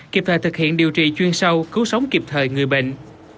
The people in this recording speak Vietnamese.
kịp thời thực hiện điều trị chuyên sâu cứu sống kịp thời người bệnh